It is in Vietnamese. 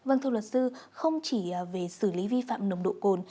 vâng thưa luật sư không chỉ về xử lý vi phạm nồng độ cồn